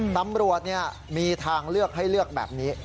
ตำรวจมีทางเลือกให้เลือกแบบนี้